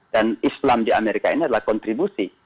dan islam di amerika ini adalah kontribusi